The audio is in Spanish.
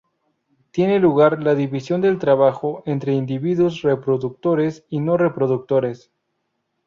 Tiene lugar la división del trabajo entre individuos reproductores y no reproductores.